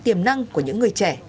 tiềm năng của những người trẻ